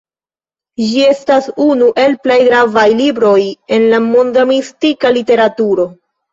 Ĝi estas unu el plej gravaj libroj en la monda mistika literaturo.